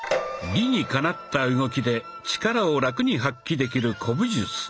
理にかなった動きで力をラクに発揮できる古武術。